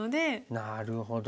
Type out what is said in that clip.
なるほど。